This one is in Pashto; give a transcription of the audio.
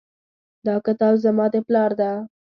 دا کتاب زما د پلار ده